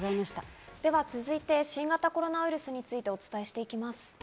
続いて新型コロナウイルスについてお伝えします。